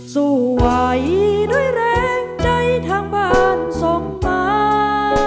สู้ไหวด้วยแรงใจทางบ้านส่งมา